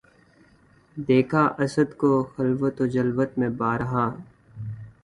دیکھا اسدؔ کو خلوت و جلوت میں بار ہا